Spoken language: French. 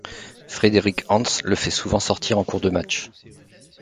Frédéric Hantz le fait souvent sortir en cours de match.